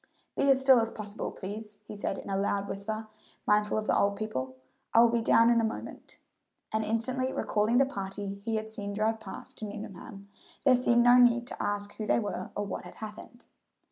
"Be as still as possible, please," he said in a loud whisper, mindful of the old people; "I will be down in a moment," and instantly recalling the party he had seen drive past to Nuneham, there seemed no need to ask who they were or what had happened.